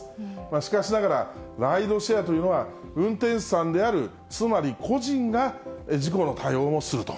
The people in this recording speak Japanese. しかしながら、ライドシェアというのは、運転手さんである、つまり個人が事故の対応もすると。